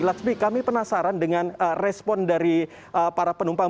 laksmi kami penasaran dengan respon dari para penumpang